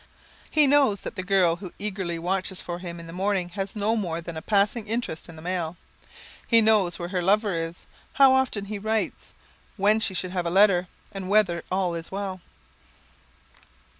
He knows that the girl who eagerly watches for him in the morning has more than a passing interest in the mail. He knows where her lover is, how often he writes, when she should have a letter, and whether all is well.